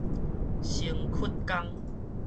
新堀江